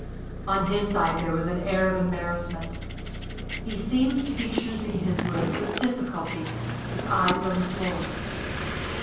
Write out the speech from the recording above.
On his side there was an air of embarrassment. He seemed to be choosing his words with difficulty, his eyes on the floor.